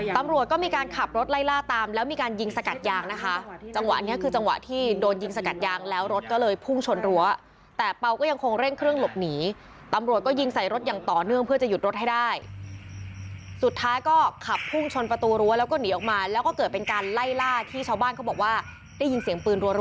ตำรวจก็มีการขับรถไล่ล่าตามแล้วมีการยิงสกัดยางนะคะจังหวะอันนี้คือจังหวะที่โดนยิงสกัดยางแล้วรถก็เลยพุ่งชนรั้วแต่เปล่าก็ยังคงเร่งเครื่องหลบหนีตำรวจก็ยิงใส่รถอย่างต่อเนื่องเพื่อจะหยุดรถให้ได้สุดท้ายก็ขับพุ่งชนประตูรั้วแล้วก็หนีออกมาแล้วก็เกิดเป็นการไล่ล่าที่ชาวบ้านเขาบอกว่าได้ยินเสียงปืนรั